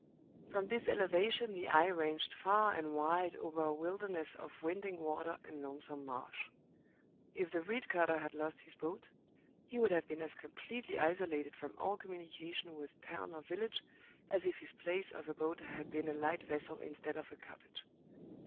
From this elevation the eye ranged far and wide over a wilderness of winding water and lonesome marsh. If the reed cutter had lost his boat, he would have been as completely isolated from all communication with town or village as if his place of abode had been a light vessel instead of a cottage.